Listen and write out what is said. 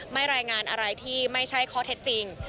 รายงานอะไรที่ไม่ใช่ข้อเท็จจริง